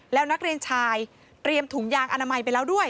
แล้วนักเรียนชายเตรียมถุงยางอนามัยไปแล้วด้วย